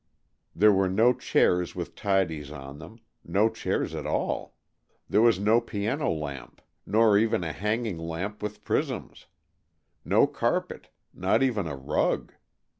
There were no chairs with tidies on them, no chairs at all; there was no piano lamp; nor even a hanging lamp with prisms; no carpet, not even a rug.